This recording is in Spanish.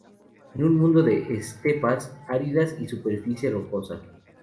Es un mundo de estepas áridas y superficie rocosa.